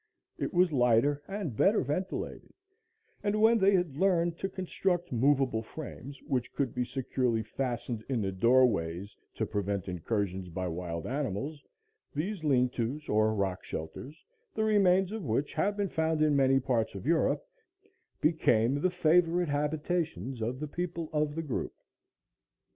It was lighter and better ventilated, and, when they had learned to construct movable frames which could be securely fastened in the doorways, to prevent incursions by wild animals, these lean tos or rock shelters, the remains of which have been found in many parts of Europe, became the favorite habitations of the people of the group.